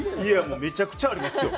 もうめちゃくちゃありますよ。